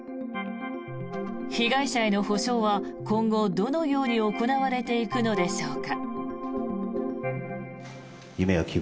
被害者への補償は今後どのように行われていくのでしょうか。